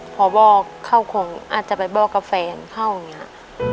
พอบอกเข้าของอาจจะไปบอกกับแฟนเข้าอย่างนี้